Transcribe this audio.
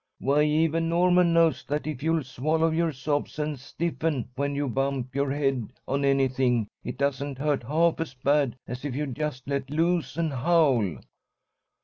"Why, even Norman knows that if you'll swallow your sobs and stiffen when you bump your head or anything, it doesn't hurt half as bad as if you just let loose and howl."